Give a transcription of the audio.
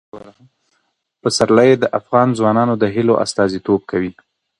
پسرلی د افغان ځوانانو د هیلو استازیتوب کوي.